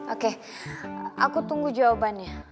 oke aku tunggu jawabannya